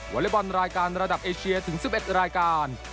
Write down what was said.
อเล็กบอลรายการระดับเอเชียถึง๑๑รายการ